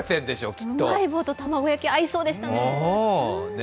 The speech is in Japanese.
うまい棒と玉子焼き合いそうでしたね。